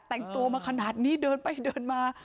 แต่งตัวมาขนาดนี้เดินไปเดินมา